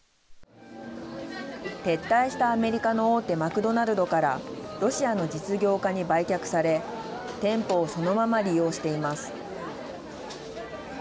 撤退したアメリカの大手マクドナルドからロシアの実業家に売却され店舗をそのまま利用しています。